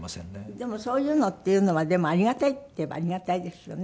でもそういうのっていうのはありがたいっていえばありがたいですよね。